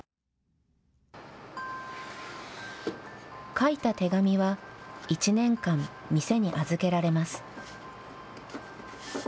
書いた手紙は１年間、店に預けられます。